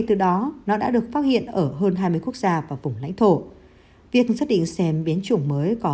từ đó nó đã được phát hiện ở hơn hai mươi quốc gia và vùng lãnh thổ việc xác định xem biến chủng mới có